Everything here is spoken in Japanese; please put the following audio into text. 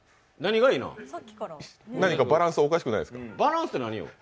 何かバランスおかしくないですか？